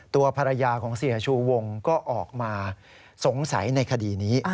ตัวภรรยาของเสียชูวงก็ออกมาสงสัยในคดีนี้